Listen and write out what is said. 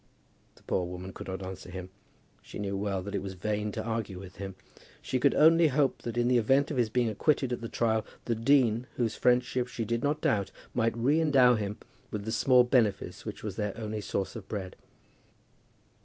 The poor woman could not answer him. She knew well that it was vain to argue with him. She could only hope that in the event of his being acquitted at the trial, the dean, whose friendship she did not doubt, might re endow him with the small benefice which was their only source of bread.